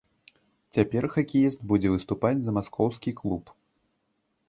Цяпер хакеіст будзе выступаць за маскоўскі клуб.